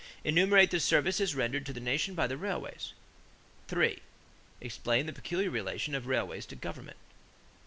Enumerate the services rendered to the nation by the railways. 3. Explain the peculiar relation of railways to government.